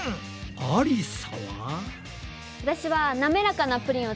ありさは。